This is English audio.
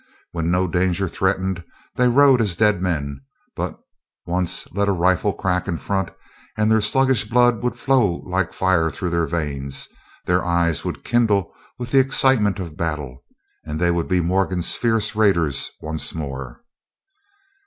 When no danger threatened, they rode as dead men, but once let a rifle crack in front, and their sluggish blood would flow like fire through their veins, their eyes would kindle with the excitement of battle, and they would be Morgan's fierce raiders once more.